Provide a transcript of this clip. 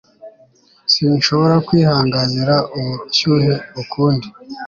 sinshobora kwihanganira ubushyuhe ukundi